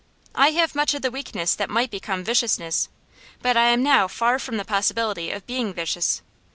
I have much of the weakness that might become viciousness, but I am now far from the possibility of being vicious.